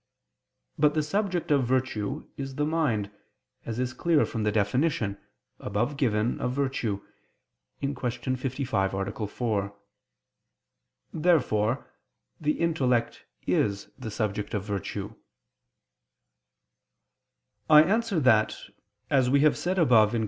But the subject of virtue is the mind, as is clear from the definition, above given, of virtue (Q. 55, A. 4). Therefore the intellect is the subject of virtue. I answer that, As we have said above (Q.